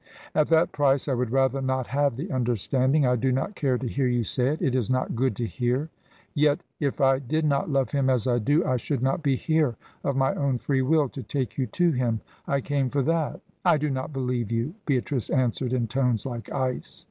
"At that price, I would rather not have the understanding. I do not care to hear you say it. It is not good to hear." "Yet, if I did not love him as I do, I should not be here, of my own free will, to take you to him. I came for that." "I do not believe you," Beatrice answered in tones like ice.